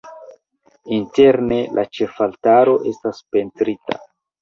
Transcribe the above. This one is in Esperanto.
Interne la ĉefaltaro estas pentrita.